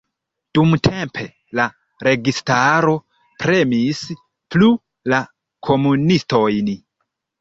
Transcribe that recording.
Dumtempe la registaro premis plu la komunistojn.